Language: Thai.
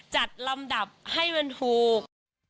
จัดลำดับให้มันถูก